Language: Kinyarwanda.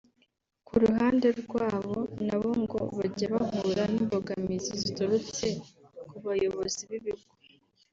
ku ruhande rwabo na bo ngo bajya bahura n’imbogamizi ziturutse ku bayobozi b’ibigo